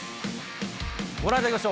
ご覧いただきましょう。